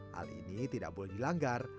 hal ini tidak boleh dilanggar